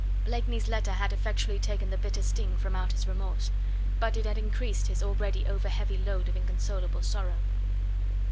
Blakeney's letter had effectually taken the bitter sting from out his remorse, but it had increased his already over heavy load of inconsolable sorrow.